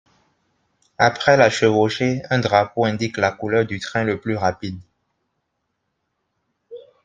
Après la chevauchée, un drapeau indique la couleur du train le plus rapide.